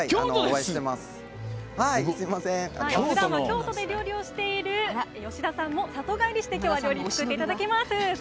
ふだんは京都で料理をしている吉田さんも里帰りして今日は料理を作っていただきます。